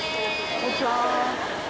こんにちは。